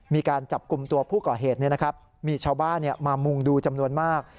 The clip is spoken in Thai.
มีการจับกลุ่มตัวผู้ก่อเหตุมีชาวบ้านมามุงดูจำนวนมาก